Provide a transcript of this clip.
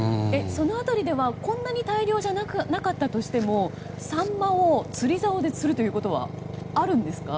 その辺りではこんなに大漁じゃなかったとしてもサンマを釣り竿で釣るということはあるんですか？